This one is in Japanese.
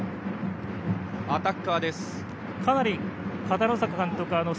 アタッカーの選手です。